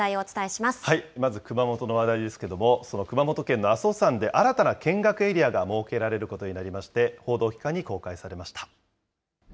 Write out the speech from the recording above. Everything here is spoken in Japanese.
まず熊本の話題ですけれども、その熊本県の阿蘇山で新たな見学エリアが設けられることになりまして、報道機関に公開されました。